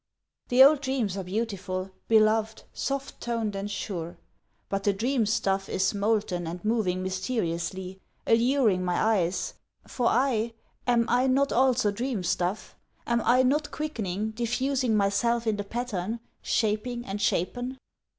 The old dreams are beautiful, beloved, soft toned, and sure, But the dream stuff is molten and moving mysteriously, Alluring my eyes; for I, am I not also dream stuff, Am I not quickening, diffusing myself in the pattern, shaping and shapen?